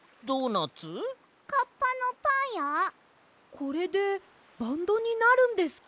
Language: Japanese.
これでバンドになるんですか？